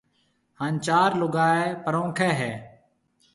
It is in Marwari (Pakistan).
ھان چار لوگائيَ پرونکيَ ھيََََ